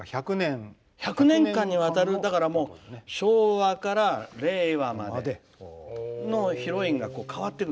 １００年間にわたる、だから昭和から令和までヒロインが変わっていく。